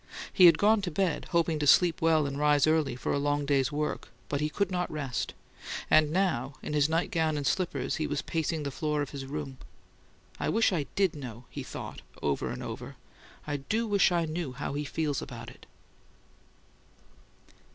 He had gone to bed, hoping to sleep well and rise early for a long day's work, but he could not rest, and now, in his nightgown and slippers, he was pacing the floor of his room. "I wish I DID know," he thought, over and over. "I DO wish I knew how he feels about it."